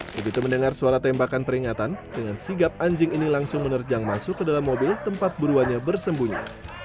begitu mendengar suara tembakan peringatan dengan sigap anjing ini langsung menerjang masuk ke dalam mobil tempat buruannya bersembunyi